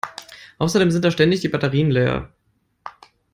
Außerdem sind da ständig die Batterien leer.